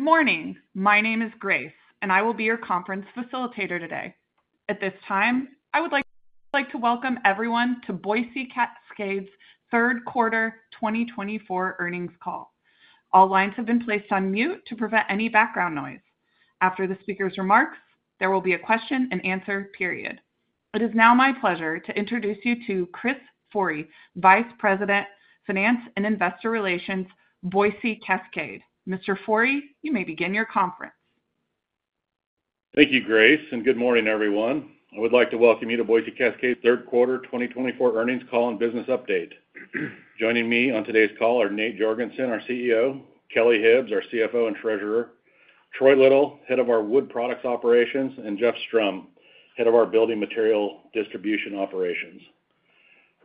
Good morning. My name is Grace, and I will be your conference facilitator today. At this time, I would like to welcome everyone to Boise Cascade's third quarter 2024 earnings call. All lines have been placed on mute to prevent any background noise. After the speaker's remarks, there will be a question and answer period. It is now my pleasure to introduce you to Chris Forrey, Vice President, Finance and Investor Relations, Boise Cascade. Mr. Forrey, you may begin your conference. Thank you, Grace, and good morning, everyone. I would like to welcome you to Boise Cascade's third quarter 2024 earnings call and business update. Joining me on today's call are Nate Jorgensen, our CEO, Kelly Hibbs, our CFO and Treasurer. Troy Little, Head of our Wood Products Operations and Jeff Strom, Head of our Building Materials Distribution Operations.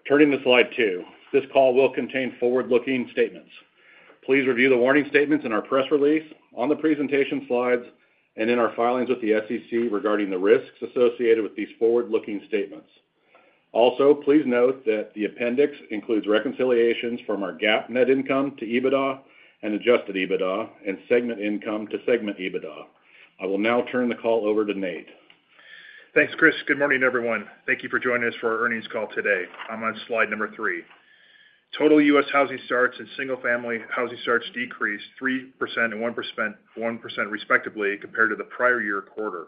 Turning to slide two, this call will contain forward-looking statements. Please review the warning statements in our press release on the presentation slides and in our filings with the SEC regarding the risks associated with these forward-looking statements. Also, please note that the Appendix includes reconciliations from our GAAP net income to. EBITDA and adjusted EBITDA and segment income to segment EBITDA. I will now turn the call over to Nate. Thanks Chris. Good morning everyone. Thank you for joining us for our earnings call today. I'm on slide number three. Total U.S. housing starts and single family housing starts decreased 3% and 1% respectively compared to the prior-year quarter.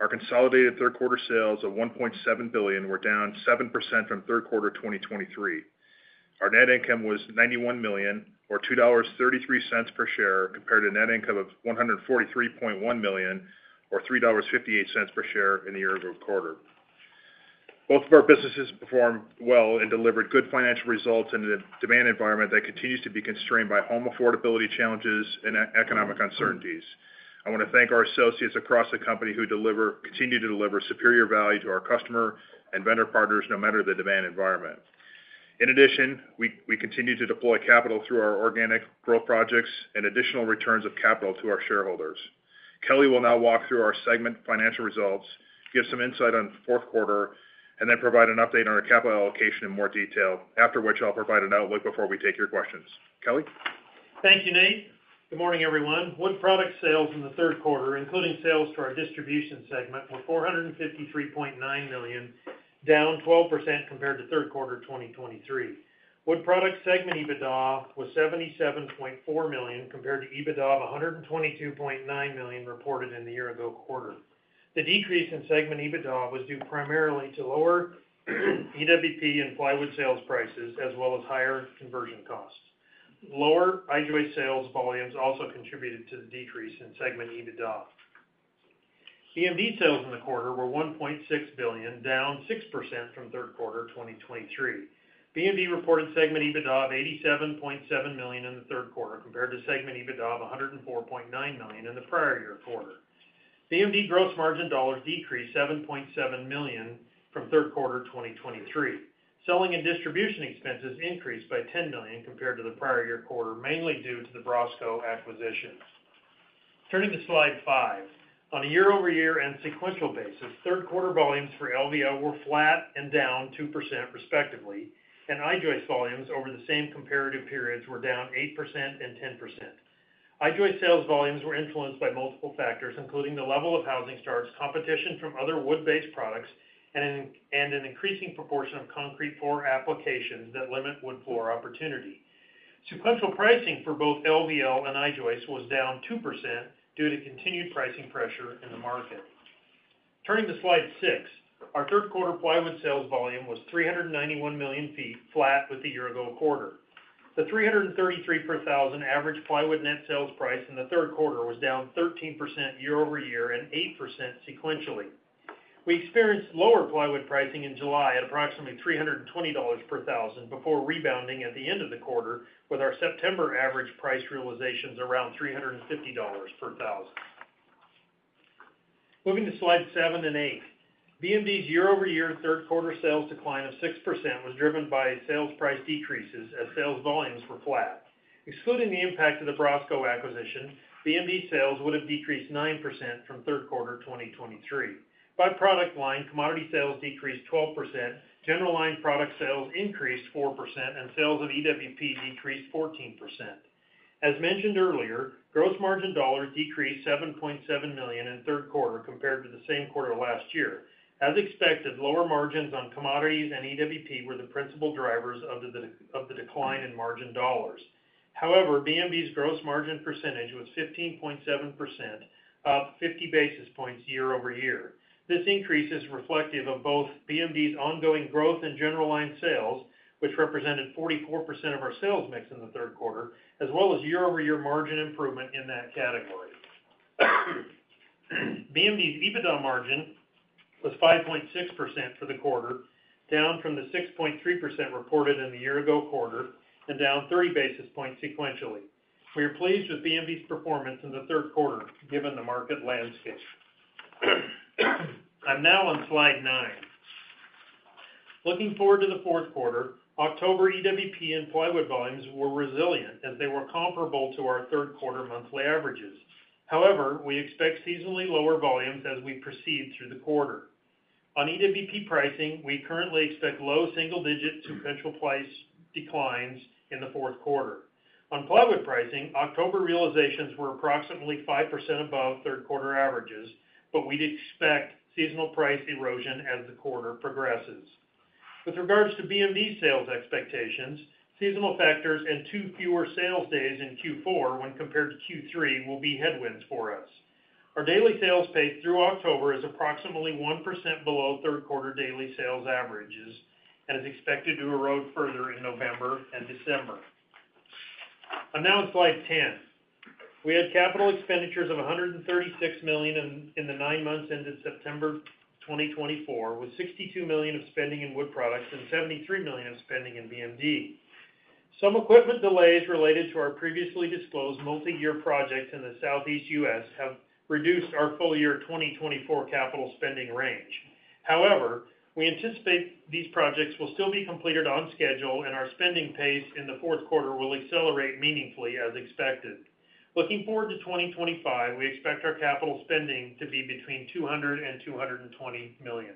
Our consolidated third-quarter sales of $1.7 billion were down 7% from third-quarter 2023. Our net income was $91 million or $2.33 per share compared to net income of $114.3 million or $3.58 per share in the year-ago quarter. Both of our businesses performed well and delivered good financial results in a demand environment that continues to be constrained by home affordability challenges and economic uncertainties. I want to thank our associates across the company who continue to deliver superior value to our customer and vendor partners no matter the demand environment. In addition, we continue to deploy capital through our organic growth projects and additional returns of capital to our shareholders. Kelly will now walk through our segment financial results, give some insight on fourth quarter and then provide an update on our capital allocation in more detail, after which I'll provide an outlook before we take your questions. Kelly. Thank you, Nate. Good morning, everyone. Wood products sales in the third quarter, including sales for our distribution segment, were $453.9 million, down 12% compared to third quarter 2023. Wood products segment EBITDA was $77.4 million compared to EBITDA of $122.9 million reported in the year ago quarter. The decrease in segment EBITDA was due primarily to lower EWP and plywood sales prices as well as higher conversion costs. Lower I-joist sales volumes also contributed to the decrease in segment EBITDA. BMD sales in the quarter were $1.6 billion, down 6% from third quarter 2023. BMD reported segment EBITDA of $87.7 million in the third quarter compared to segment EBITDA of $104.9 million in the prior year quarter. BMD gross margin dollars decreased $7.7 million from third quarter 2023. Selling and distribution expenses increased by $10 million compared to the prior year quarter, mainly due to the BROSCO acquisition. Turning to slide five, on a year-over-year and sequential basis, third quarter volumes for LVL were flat and down 2% respectively, and I-joist volumes over the same comparative periods were down 8% and 10%. I-joist sales volumes were influenced by multiple factors including the level of housing starts, competition from other wood-based products, and an increasing proportion of concrete floor applications that limit wood floor opportunity. Sequential pricing for both LVL and I-joist was down 2% due to continued pricing pressure in the market. Turning to slide six, our third quarter plywood sales volume was 391 million feet, flat with the year-ago quarter. The $333 per thousand average plywood net sales price in the third quarter was down 13% year-over-year and 8% sequentially. We experienced lower plywood pricing in July at approximately $320 per thousand before rebounding at the end of the quarter with our September average price realizations around $350 per thousand. Moving to slide seven and eight, BMD's year-over-year third quarter sales decline of 6% was driven by sales price decreases as sales volumes were flat. Excluding the impact of the BROSCO acquisition, BMD sales would have decreased 9% from third quarter 2023 by product line. Commodity sales decreased 12%, general line product sales increased 4% and sales of EWPs decreased 14%. As mentioned earlier, gross margin dollars decreased $7.7 million in third quarter compared to the same quarter last year. As expected, lower margins on commodities and EWP were the principal drivers of the decline in margin dollars. However, BMD's gross margin percentage was 15.7% up 50 basis points year-over-year. This increase is reflective of both BMD's ongoing growth in general line sales which represented 44% of our sales mix in the third quarter as well as year-over-year margin improvement in that category. BMD's EBITDA margin was 5.6% for the quarter, down from the 6.3% reported in the year ago quarter and down 30 basis points sequentially. We are pleased with BMD's performance in the third quarter given the market landscape. I'm now on slide nine looking forward to the fourth quarter outlook. EWP and Plywood volumes were resilient as they were comparable to our third quarter monthly averages. However, we expect seasonally lower volumes as we proceed through the quarter. On EWP pricing, we currently expect low single-digit to potential price declines in the fourth quarter. On plywood pricing, October realizations were approximately 5% above third quarter averages, but we'd expect seasonal price erosion as the quarter progresses. With regards to BMD sales expectations, seasonal factors and two fewer sales days in Q4 when compared to Q3 will be headwinds for us. Our daily sales pace through October is approximately 1% below third quarter daily sales averages and is expected to erode further in November and December. On slide 10 we had capital expenditures of $136 million in the nine months ended September 2024 with $62 million of spending in wood products and $73 million of spending in BMD. Some equipment delays related to our previously disclosed multi-year project in the Southeast U.S. have reduced our full year 2024 capital spending range. However, we anticipate these projects will still be completed on schedule and our spending pace in the fourth quarter will accelerate meaningfully. As expected. Looking forward to 2025, we expect our capital spending to be between $200 million and $220 million.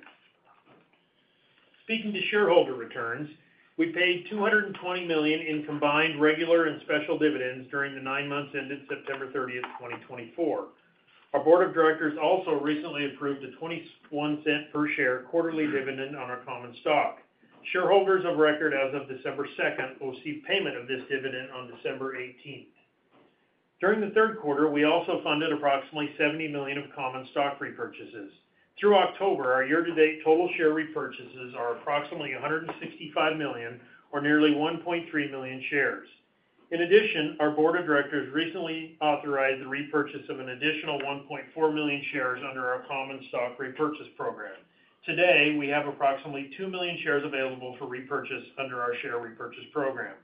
Speaking to shareholder returns, we paid $220 million in combined regular and special dividends during the nine months ended September 30, 2024. Our Board of Directors also recently approved a $0.21 per share quarterly dividend on our common stock. Shareholders of record as of December 2nd will see payment of this dividend on December 18th during the third quarter. We also funded approximately $70 million of common stock repurchases through October. Our year to date, total share repurchases are approximately $165 million or nearly 1.3 million shares. In addition, our Board of Directors recently authorized the repurchase of an additional 1.4 million shares under our common stock repurchase program. Today, we have approximately 2 million shares available for repurchase under our share repurchase program.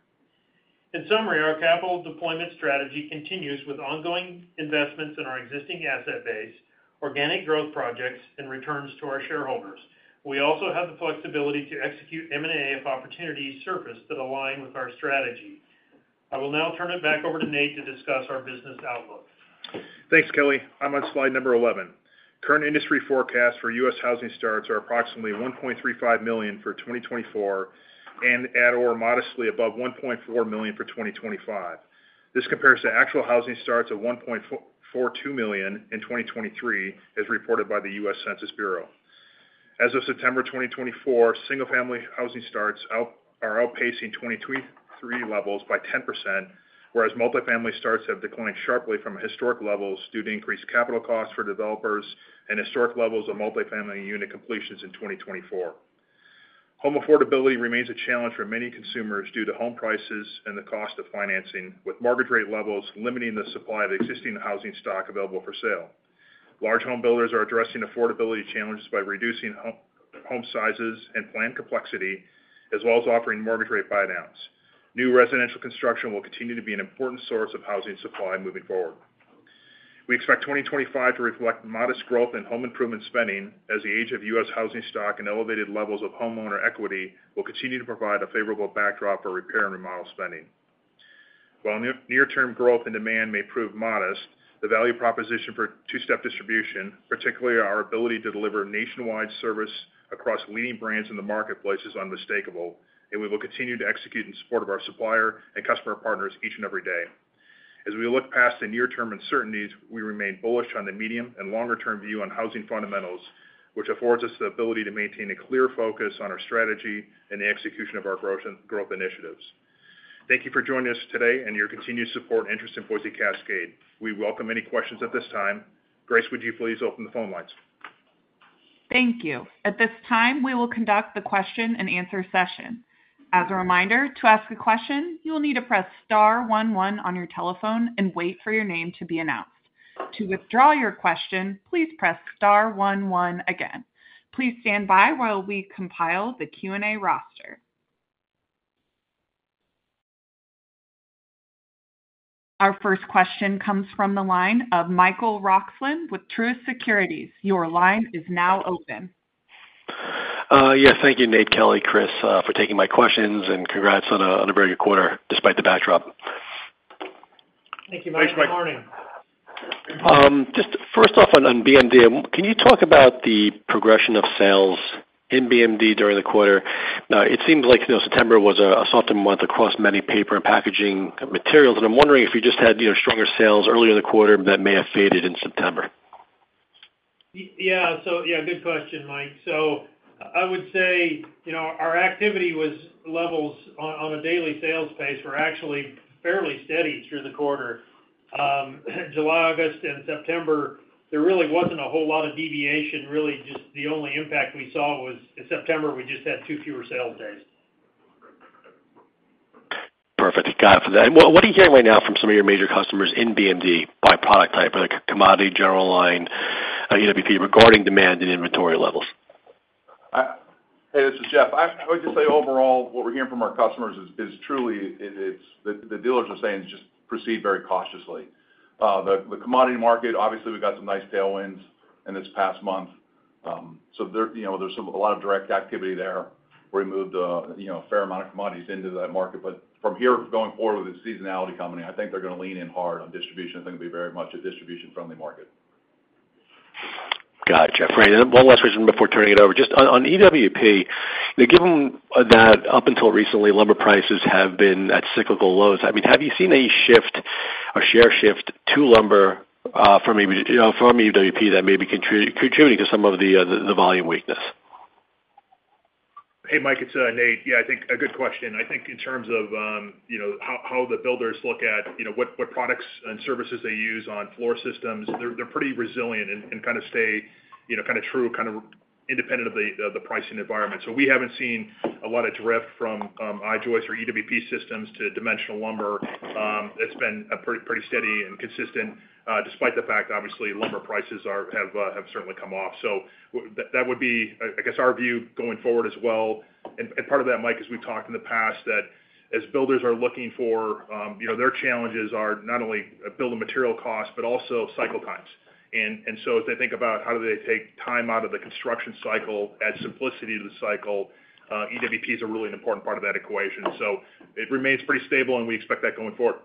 In summary, our capital deployment strategy continues with ongoing investments in our existing asset base, organic growth projects and returns to our shareholders. We also have the flexibility to execute M&A if opportunities surface that align with our strategy. I will now turn it back over to Nate to discuss our business outlook. Thanks Kelly. I'm on slide number 11. Current industry forecast for U.S. housing starts are approximately 1.35 million for 2024 and at or modestly above 1.4 million for 2025. This compares to actual housing starts at 1.42 million in 2023 as reported by the U.S. Census Bureau. As of September 2024, single family housing starts are outpacing 2023 levels by 10%, whereas multifamily starts have declined sharply from historic levels due to increased capital costs for developers and historic levels of multifamily unit completions in 2024. Home affordability remains a challenge for many consumers due to home prices and the cost of financing. With mortgage rate levels limiting the supply of existing housing stock available for sale, large home builders are addressing affordability challenges by reducing home sizes and plan complexity as well as offering mortgage rate buydowns. New residential construction will continue to be an important source of housing supply. Moving forward, we expect 2025 to reflect modest growth in home improvement spending as the age of U.S. housing stock and elevated levels of homeowner equity will continue to provide a favorable backdrop for repair and remodel spending. While near term growth and demand may prove modest, the value proposition for two-step distribution, particularly our ability to deliver nationwide service across leading brands in the marketplace, is unmistakable and we will continue to execute in support of our supplier and customer partners each and every day. As we look past the near term uncertainties, we remain bullish on the medium and longer term view on housing fundamentals which affords us the ability to maintain a clear focus on our strategy and the execution of our growth initiatives. Thank you for joining us today and your continued support and interest in Boise Cascade. We welcome any questions at this time. Grace, would you please open the phone lines? Thank you. At this time we will conduct the question and answer session. As a reminder, to ask a question, you will need to press star one one on your telephone and wait for your name to be announced. To withdraw your question, please press star one one again. Please stand by while we compile the Q&A roster. Our first question comes from the line of Michael Roxland with Truist Securities. Your line is now open. Yes, thank you, Nate, Kelly, Chris, for taking my questions and congrats on a very good quarter despite the backdrop. Thank you. Just first off on BMD, can you talk about the progression of sales in BMD during the quarter? It seems like September was a softer month across many paper and packaging materials, and I'm wondering if you just had stronger sales earlier in the quarter that may have faded in September. Yeah, so. Yeah, good question, Mike. So I would say our activity levels on a daily sales pace were actually fairly steady through the quarter, July, August and September. There really wasn't a whole lot of deviation. Really just the only impact we saw was in September. We just had two fewer sales days. Perfect. Got it for that. What are you hearing right now from some of your major customers in BMD by product type? Are they commodity, General line, EWP regarding demand and inventory levels? Hey, this is Jeff. I would just say overall what we're hearing from our customers is truly the dealers are saying just proceed very cautiously. The commodity market, obviously we got some nice tailwinds in this past month, so there's a lot of direct activity there. We moved a fair amount of commodities into that market. But from here, going forward with the seasonality coming, I think they're going to lean in hard on distribution. I think it'll be very much a distribution friendly market. Got it, Jeff. And one last question before turning it over, just on EWP, given that up until recently lumber prices have been at cyclical lows. I mean, have you seen any share shift to lumber from EWP that may be contributing to some of the volume weakness? Hey Mike, it's Nate. Yeah, I think a good question. I think in terms of how the builders look at what products and services they use on floor systems, they're pretty resilient and kind of stay, you know, kind of true, kind of independent of the pricing environment. So we haven't seen a lot of drift from I-joist or EWP systems to dimensional lumber. It's been pretty steady and consistent despite the fact obviously lumber prices have certainly come off. So that would be, I guess, our view going forward as well. And part of that, Mike, as we talked in the past, that as builders are looking for, you know, their challenges are not only building material costs but also cycle times. And so as they think about how do they take time out of the construction cycle, add simplicity to the cycle. EWPs are really an important part of that equation. So it remains pretty stable and we expect that going forward.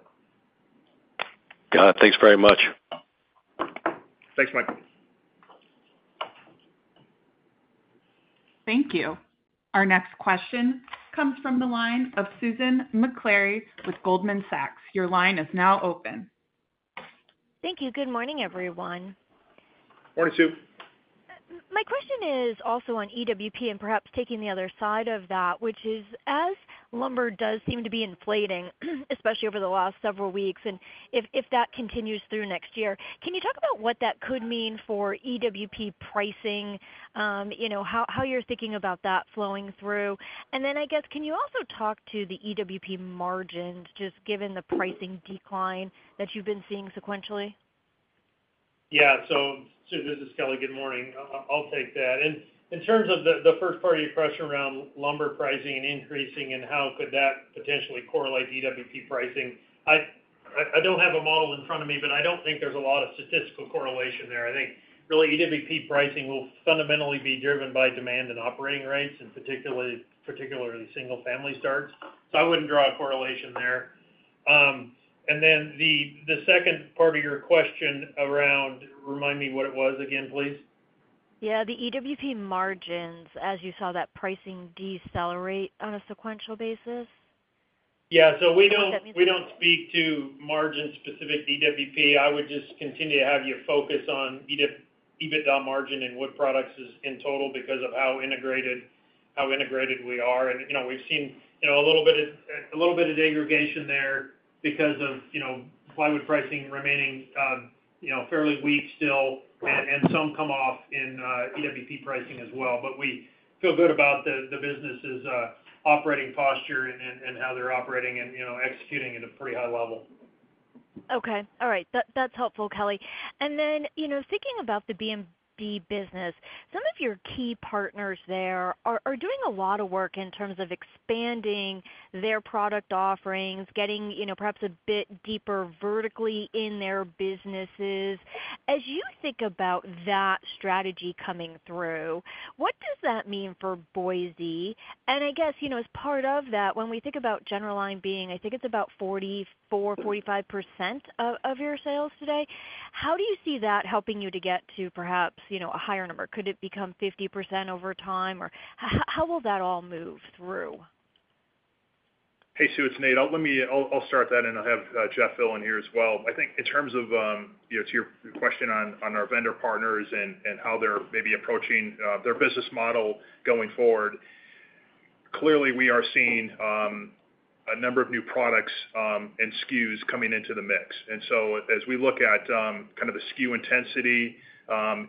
Got it. Thanks very much. Thanks, Michael. Thank you. Our next question comes from the line of Susan Maklari with Goldman Sachs. Your line is now open. Thank you. Good morning everyone. Morning, Sue. My question is also on EWP and perhaps taking the other side of that, which is as lumber does seem to be inflating, especially over the last several weeks, and if that continues through next year, can you talk about what that could mean for EWP pricing, how you're thinking about that flowing through, and then I guess, can you also talk to the EWP margins, just given the pricing decline that you've been seeing sequentially? Yeah. So this is Kelly. Good morning. I'll take that. And in terms of the first part of your question around lumber pricing and increasing, and how could that potentially correlate to EWP pricing? I don't have a model in front of me, but I don't think there's a lot of statistical correlation there. I think really, EWP pricing will fundamentally be driven by demand and operating rates and particularly single family starts. So I wouldn't draw a correlation there. And then the second part of your question around, remind me what it was again, please. Yeah, the EWP margins, as you saw that pricing decelerate on a sequential basis. Yeah. We don't speak to margin specific EWP. I would just continue to have you focus on EBITDA margin and wood products in total because of how integrated. How integrated we are. We've seen a little bit of degradation there because of plywood pricing remaining fairly weak still. And some come off in EWP pricing as well. But we feel good about the business's operating posture and how they're operating and executing at a pretty high level. Okay. All right, that's helpful, Kelly. And then thinking about the BMD, some of your key partners there are doing a lot of work in terms of expanding their product offerings, getting perhaps a bit deeper vertically in their businesses. As you think about that strategy coming through, what does that mean for Boise? And I guess as part of that, when we think about general line being, I think it's about 44%-45% of your sales today. How do you see that helping you to get to perhaps a higher number? Could it become 50% over time, or how will that all move through? Hey, Sue, it's Nate. I'll start that and I'll have Jeff. Fill in here as well. I think in terms of to your question on our vendor partners and how they're maybe approaching their business model going forward, clearly we are seeing a number of new products and SKUs coming into the mix, and so as we look at kind of the SKU intensity,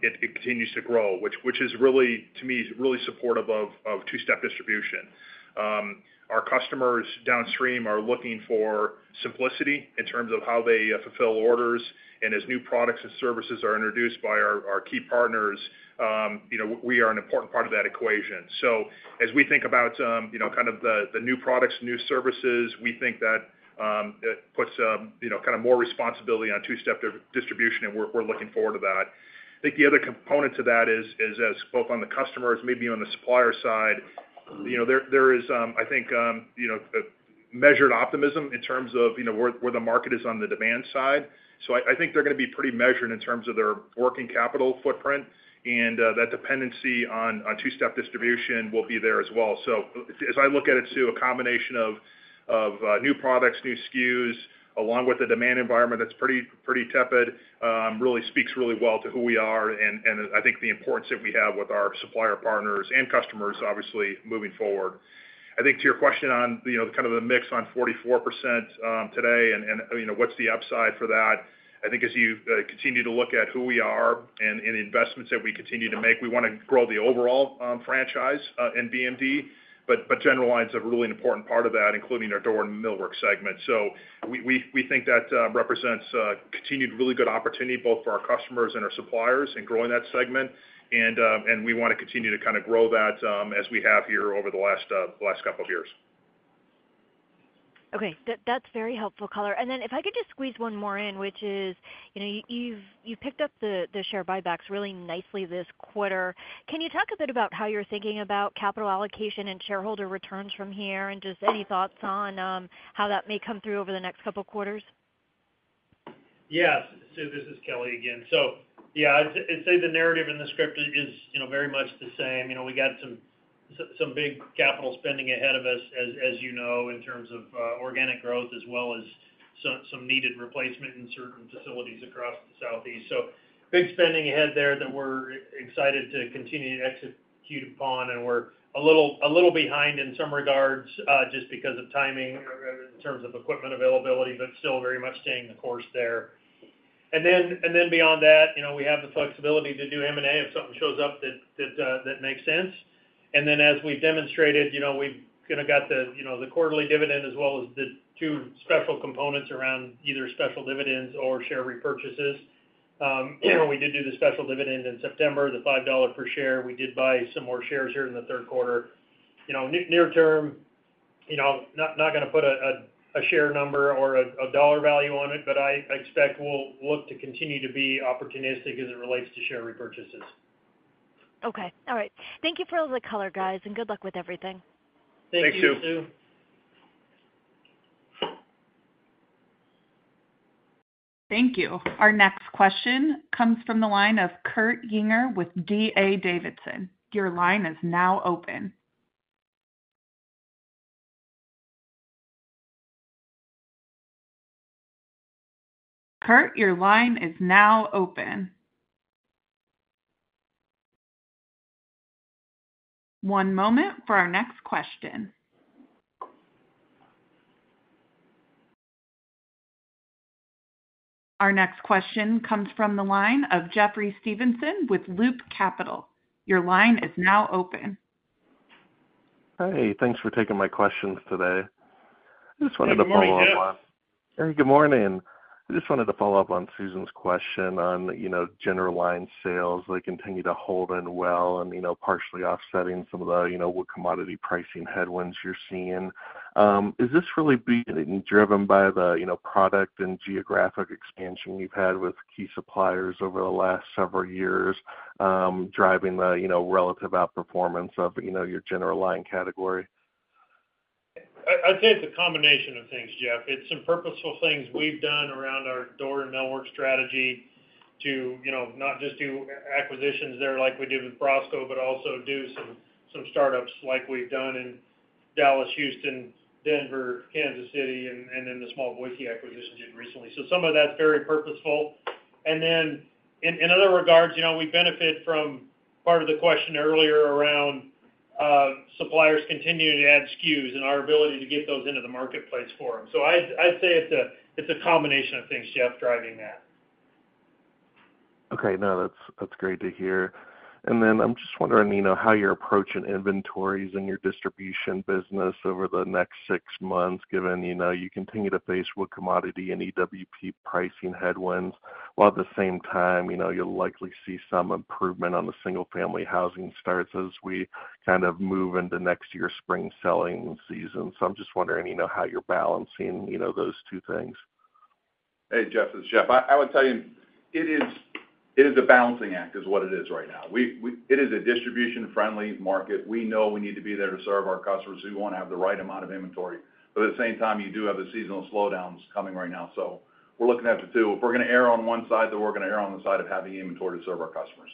it continues to grow, which is really to me, really supportive of two step distribution. Our customers downstream are looking for simplicity in terms of how they fulfill orders, and as new products and services are introduced by our key partners, we are an important part of that equation, so as we think about kind of the new products, new services, we think that puts kind of more responsibility on two steps distribution and we're looking forward to that. I think the other component to that is, as both on the customers, maybe on the supplier side, there is, I think, measured optimism in terms of where the market is on the demand side. So I think they're going to be pretty measured in terms of their working capital footprint and that dependency on two-step distribution will be there as well. So as I look at it too, a combination of new products, new SKUs along with the demand environment that's pretty tepid really speaks really well to who we are and I think the importance that we have with our supplier partners and customers, obviously moving forward. I think to your question on kind of the mix on 44% today and what's the upside for that? I think as you continue to look at who we are and investments that we continue to make, we want to grow the overall franchise in BMD, but general line is a really important part of that, including our door and millwork segment, so we think that represents continued really good opportunity both for our customers and our suppliers in growing that segment and we want to continue to kind of grow that as we have here over the last couple of years. Okay, that's very helpful. Color. And then if I could just squeeze one more in, which is you picked up the share buybacks really nicely this quarter. Can you talk a bit about how you're thinking about capital allocation and shareholder returns from here and just any thoughts on how that may come through over the next couple quarters? Yes. Sue, this is Kelly again. So, yeah, I'd say the narrative in the script is very much the same. We got some big capital spending ahead of us as you know, in terms of organic growth as well as some needed replacement in certain facilities across the Southeast. So big spending ahead there that we're excited to continue to execute upon. And we're a little behind in some regards just because of timing in terms of equipment availability, but still very much staying the course there. And then beyond that we have the flexibility to do M&A if something shows up that makes sense. And then as we demonstrated, we got the quarterly dividend as well as the two special components around either special dividends or share repurchases. We did do the special dividend in September, the $5 per share. We did buy some more shares here in the third quarter, near term. Not going to put a share number or a dollar value on it, but I expect we'll look to continue to be opportunistic as it relates to share repurchases. Okay. All right. Thank you for all the color guys and good luck with everything. Thank you. Thank you. Our next question comes from the line of Kurt Yinger with D.A. Davidson. Your line is now open. Kurt, your line is now open. One moment for our next question. Our next question comes from the line of Jeffrey Stevenson with Loop Capital. Your line is now open. Hey, thanks for taking my questions today. I just wanted to follow up on. Good morning. I just wanted to follow up on Susan's question on general line sales. They continue to hold up well and partially offsetting some of the commodity pricing headwinds you're seeing. Is this really being driven by the product and geographic expansion you've had with key suppliers over the last several years driving the relative outperformance of but you know, your general line category? I'd say it's a combination of things, Jeff. It's some purposeful things we've done around our door and millwork strategy to not just do acquisitions there like we did with BROSCO, but also do some startups like we've done in Dallas, Houston, Denver, Kansas City and then the small Boise acquisition we did recently. So some of that's very purposeful. And then in other regards, you know, we benefit from part of the question earlier around suppliers continuing to add SKUs and our ability to get those into the marketplace for them. So I'd say it's a combination of things, Jeff, driving that. Okay. No, that's great to hear, and then I'm just wondering how you're approaching inventories in your distribution business over the next six months given you continue to face wood commodity and EWP pricing headwinds, while at the same time you'll likely see some improvement on the single family housing starts as we kind of move into next year spring selling season, so I'm just wondering, you know, how you're balancing, you know, those two things. Hey, Jeff, this is Jeff. I would tell you it is, it is a balancing act is what it is right now. It is a distribution-friendly market. We know we need to be there. To serve our customers. We want to have the right amount of inventory. But at the same time, you do have the seasonal slowdowns coming right now. So we're looking at the two. If we're going to err on one side, then we're going to err on the side of having inventory to serve our customers.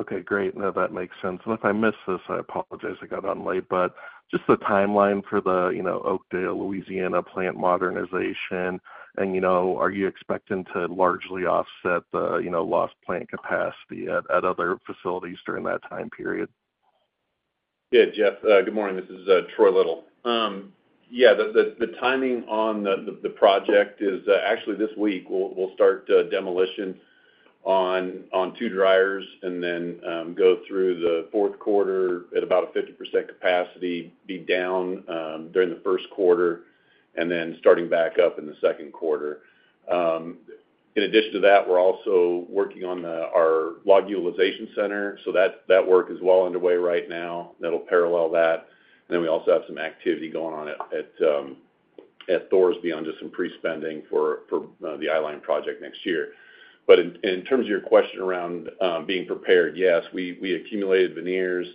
Okay, great. That makes sense. And if I missed this, I apologize, I got on late. But just the timeline for the Oakdale, Louisiana plant modernization. And are you expecting to largely offset the lost plant capacity at other facilities during that time period? Yeah. Jeff, good morning. This is Troy Little. Yeah, the timing on the project is actually this week. We'll start demolition on two dryers and then go through the fourth quarter at about 50% capacity, be down during the first quarter and then starting back up in the second quarter. In addition to that, we're also working on our log utilization center, so that work is well underway right now. That will parallel that, then we also have some activity going on at Thorsby on just some pre spending for the I-Line project next year, but in terms of your question around being prepared, yes, we accumulated veneers.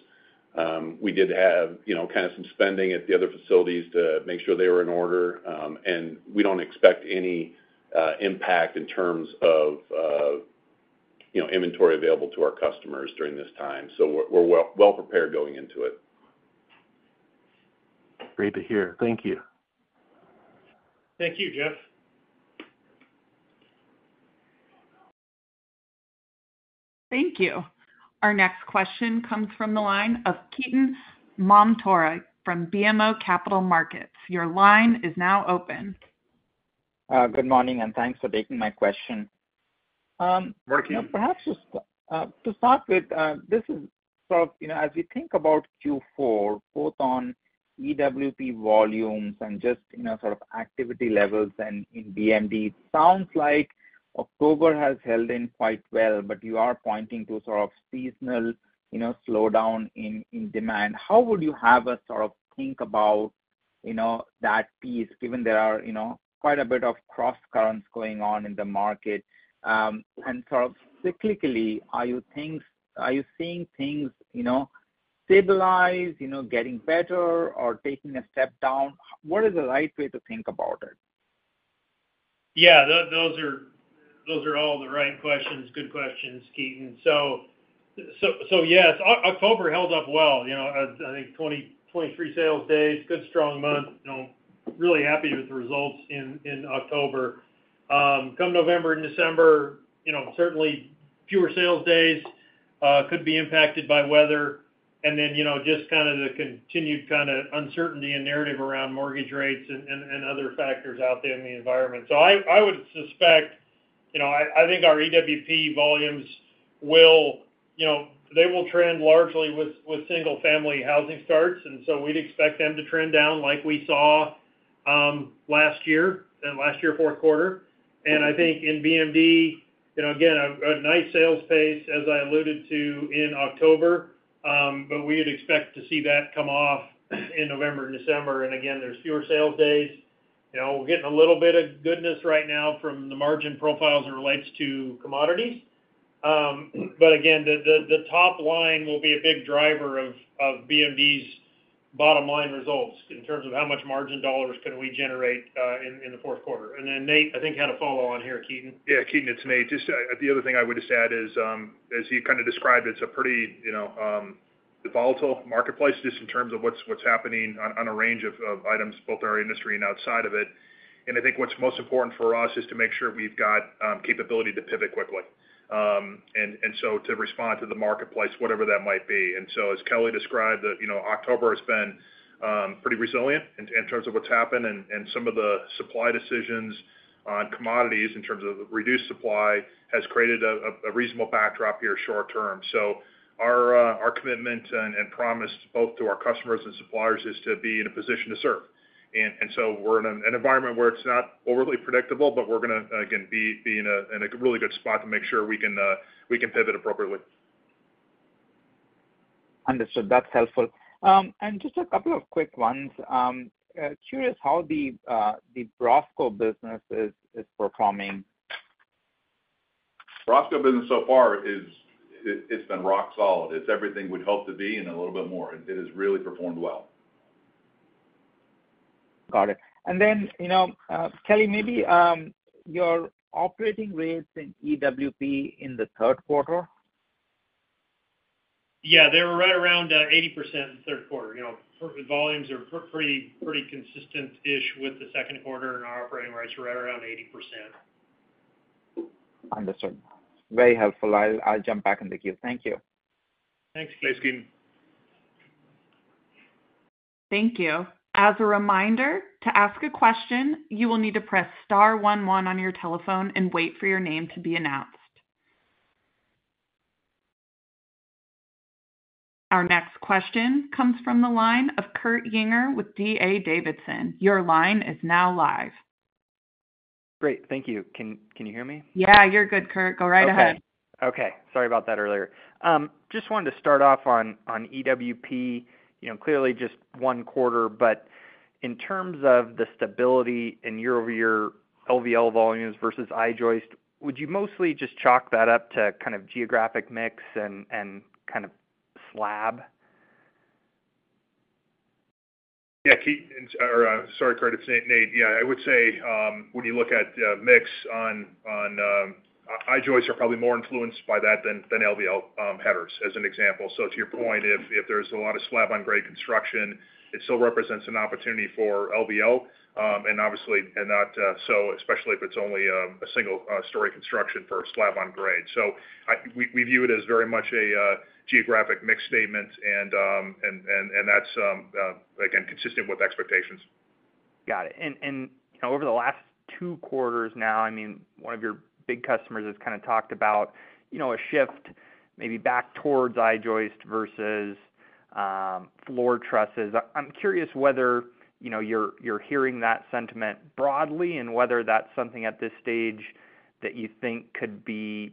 We did have kind of some spending at the other facilities to make sure they were in order, and we don't expect any impact in terms of inventory available to our customers during this time, so we're well prepared going into it. Great to hear. Thank you. Thank you, Jeff. Thank you. Our next question comes from the line of Ketan Mamtora from BMO Capital Markets. Your line is now open. Good morning and thanks for taking my question. To start with, this is sort of as we think about Q4, both on EWP volumes and just sort of activity levels and in BMD. Sounds like October has held in quite well. But you are pointing to sort of seasonal slowdown in demand. How would you have us sort of think about that piece? Given there are quite a bit of cross currents going on in the market and sort of cyclically are you seeing things, you know, stabilize, you know, getting better or taking a step down? What is the right way to think about it? Yeah, those are, those are all the right questions. Good questions, Ketan. So yes, October held up well. You know, I think 20-23 sales days, good strong month. Really happy with the results in October. Come November and December, you know, certainly fewer sales days could be impacted by weather and then you know, just kind of the continued kind of uncertainty and narrative around mortgage rates and other factors out there in the environment. So I would suspect, you know, I think our EWP volumes will, you know, they will trend largely with single family housing starts. And so we'd expect them to trend down like we saw last year and last year fourth quarter. And I think in BMD, again, a nice sales pace, as I alluded to in October, but we would expect to see that come off in November and December. And again, there's fewer sales days. We're getting a little bit of goodness right now from the margin profile as it relates to commodities. But again, the top line will be a big driver of BMD's bottom line results in terms of how much margin dollars can we generate in the fourth quarter? And then Nate, I think, had a follow on here. Ketan. Yeah, Ketan, it's Nate. Just the other thing I would just add is, as you kind of described, it's a pretty, you know, volatile marketplace just in terms of what's happening on a range of items both in our industry and outside of it, and I think what's most important for us is to make sure we've got capability to pivot quickly and so to respond to the marketplace, whatever that might be, and so, as Kelly described, October has been pretty resilient in terms of what's happened, and some of the supply decisions on commodities in terms of reduced supply has created a reasonable backdrop here short term, so our commitment and promise both to our customers and suppliers is to be in a position to serve. And so we're in an environment where it's not overly predictable, but we're going to, again, be in a really good spot to make sure we can pivot appropriately. Understood. That's helpful. And just a couple of quick ones. Curious how the BROSCO business is performing? BROSCO business, so far it's been rock solid. It's everything we'd hope to be and a little bit more. It has really performed well. Got it. And then, Kelly, maybe your operating rates in EWP in the third quarter? Yeah, they were right around 80% in the third quarter. You know, volumes are pretty consistent ish with the second quarter and our operating rates are right around 80%. Understood. Very helpful. I'll jump back in the queue. Thank you. Thanks, Ketan. Thank you. As a reminder to ask a question, you will need to press star one one on your telephone and wait for your name to be announced. Our next question comes from the line of Kurt Yinger with D.A. Davidson. Your line is now live. Great, thank you. Can you hear me? Yeah, you're good, Kurt. Go right ahead. Okay. Sorry about that earlier. Just wanted to start off on EWP. Clearly just 1/4, but in terms of the stability and year over year LVL volumes vs I-joist. Would you mostly just chalk that up to kind of geographic mix and kind. Of slab. Yeah, sorry, Kurt, it's Nate. Yeah, I would say when you look at mix on I-joists are probably more influenced by that than LVL headers as an example. So to your point, if there's a lot of slab on grade construction, it still represents an opportunity for LVL and obviously not so, especially if it's only a single story construction for slab on grade. So we view it as very much a geographic mix statement and that's again, consistent with expectations. Got it. And over the last two quarters now, I mean, one of your big customers has kind of talked about a shift maybe back towards I-joist versus floor trusses. I'm curious whether you're hearing that sentiment broadly and whether that's something at this stage that you think could be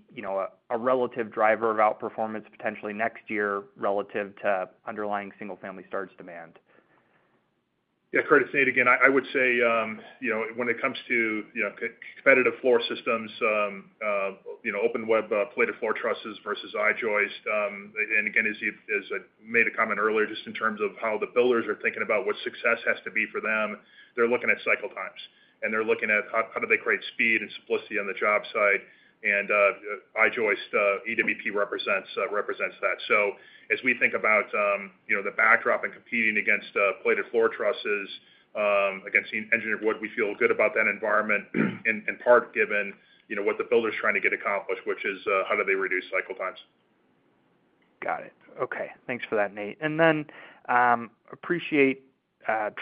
a relative driver of outperformance potentially next year relative to underlying single family starts demand? Yeah, Kurt. It's Nate, again, I would say when it comes to competitive floor systems, open web plated floor trusses versus I-joist. And again, as I made a comment earlier, just in terms of how the builders are thinking about what success has to be for them, they're looking at cycle times and they're looking at how do they create speed and simplicity on the job site. And I-joist EWP represents that. So as we think about, you know, the backdrop and competing against plated floor trusses against engineered wood, we feel good about that environment in part given, you know, what the builder is trying to get accomplished, which is how do they reduce cycle times. Got it. Okay, thanks for that, Nate. And then appreciate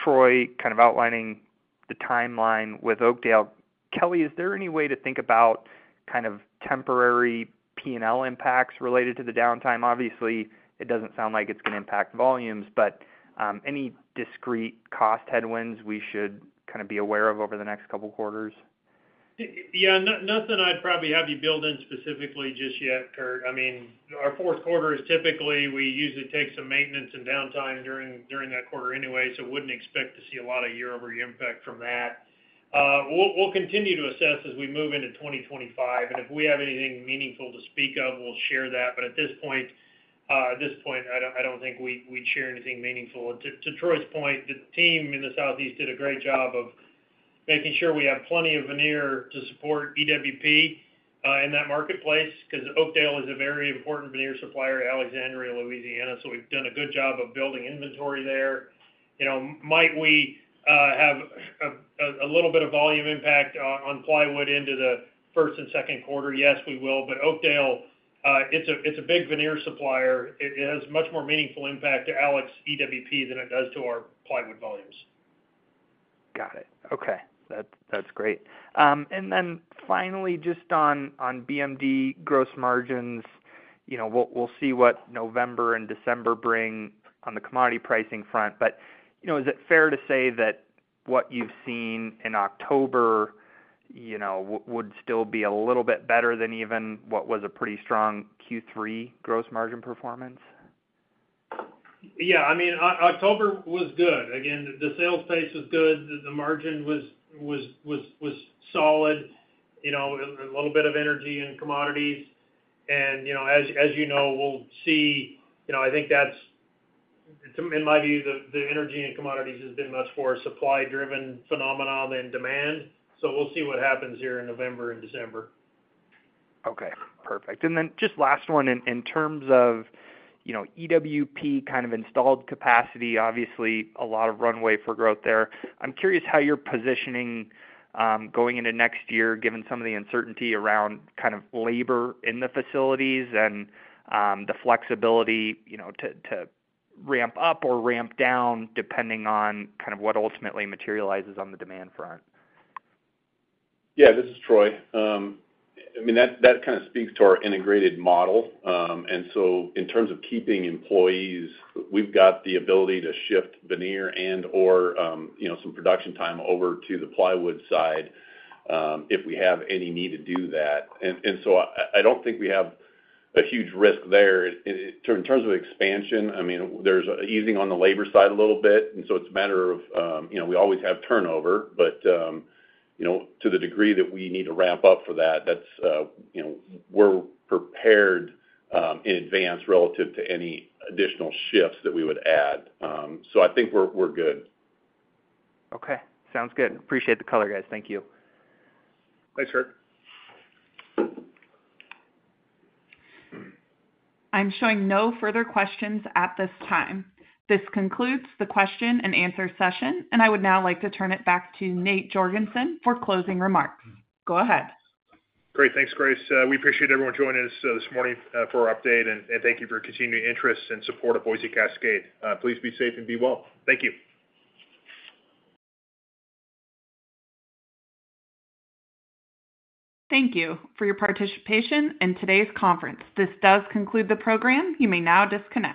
Troy kind of outlining the timeline with Oakdale. Kelly, is there any way to think about kind of temporary P&L impacts related to the downtime? Obviously it doesn't sound like it's going to impact volumes, but any discrete cost headwinds we should kind of be aware of over the next couple quarters. Yeah, nothing I'd probably have you build in specifically just yet, Kurt. I mean, our fourth quarter is typically, we usually take some maintenance and downtime during that quarter anyway, so wouldn't expect to see a lot of year-over-year impact from that. We'll continue to assess as we move into 2025, and if we have anything meaningful to speak of, we'll share that. But at this point, at this point, I don't think we'd share anything meaningful. To Troy's point, the team in the Southeast did a great job of making sure we have plenty of veneer to support EWP in that marketplace, because Oakdale is a very important veneer supplier, Alexandria, Louisiana. So we've done a good job of building inventory there. You know, might we have a little bit of volume impact on plywood into the first and second quarter? Yes, we will. But Oakdale, it's a big veneer supplier. It has much more meaningful impact to Alex EWP than it does to our plywood volumes. Got it. Okay, that's great. And then finally, just on BMD gross margins, we'll see what November and December bring on the commodity pricing front. But is it fair to say that what you've seen in October would still be a little bit better than even what was a pretty strong Q3 gross margin performance? Yeah, I mean, October was good. Again, the sales pace was good, the margin was solid. You know, a little bit of energy in commodities and you know, we'll see. You know, I think that's, in my view, the energy and commodities has been much more supply driven phenomena than demand. So we'll see what happens here in November and December. Okay, perfect. And then just last one, in terms of, you know, EWP kind of installed capacity, obviously a lot of runway for growth there. I'm curious how you're positioning going into next year given some of the uncertainty around kind of labor in the facilities and the flexibility to ramp up or ramp down depending on kind of what ultimately materializes on the demand front. Yeah, this is Troy. I mean, that kind of speaks to our integrated model. And so in terms of keeping employees, we've got the ability to shift veneer and or some production time over to the plywood side if we have any need to do that. And so I don't think we have a huge risk there in terms of expansion. I mean, there's easing on the labor side a little bit. And so it's a matter of, you know, we always have turnover, but you know, to the degree that we need to ramp up for that, that's, you know, we're prepared in advance relative to any additional shifts that we would add. So I think we're good. Okay, sounds good. Appreciate the color, guys. Thank you. Thanks, Kurt. I'm showing no further questions at this time. This concludes the question and answer session and I would now like to turn it back to Nate Jorgensen for closing remarks. Go ahead. Great. Thanks, Grace. We appreciate everyone joining us this morning for our update and thank you for your continued interest and support of Boise Cascade. Please be safe and be well. Thank you. Thank you for your participation in today's conference. This does conclude the program. You may now disconnect.